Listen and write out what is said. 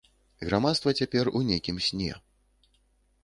Грамадства цяпер у нейкім сне.